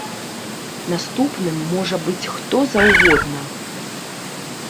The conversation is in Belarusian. Наступным можа быць хто заўгодна.